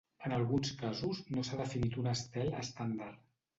En alguns casos, no s'ha definit un estel estàndard.